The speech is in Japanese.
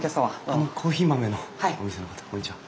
コーヒー豆のお店の方こんにちは。